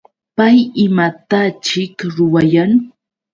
¿Pay imataćhik ruwayan?